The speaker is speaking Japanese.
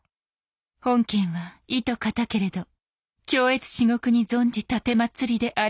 本件はいと難けれど恐悦至極に存じ奉りでありんす。